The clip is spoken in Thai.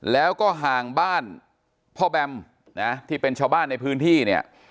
แล้วก็ห่างบ้านพ่อแบมนะที่เป็นชาวบ้านในพื้นที่เนี่ย